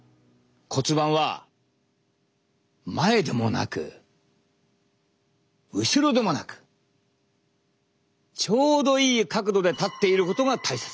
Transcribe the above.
骨盤は前でもなく後ろでもなくちょうどいい角度で立っていることが大切。